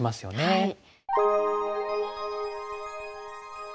はい。